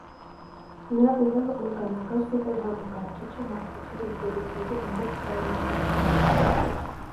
Նրա ուղեղը օրգանական սուպերհամակարգիչ է մարդկության գիտելիքների ամբողջ պարունակությամբ։